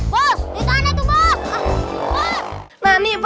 bos ditanya tuh bos